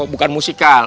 oh bukan musikal